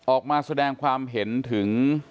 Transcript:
ออกมาแสดงความเห็นถึง